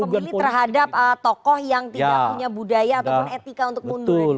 pemilih terhadap tokoh yang tidak punya budaya ataupun etika untuk mundur